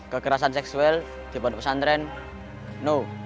kekerasan seksual di pondok pesantren no